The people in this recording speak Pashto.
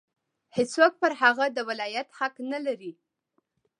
هېڅوک پر هغه د ولایت حق نه لري.